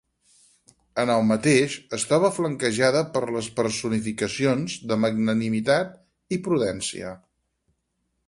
En el mateix, es troba flanquejada per les personificacions de Magnanimitat i Prudència.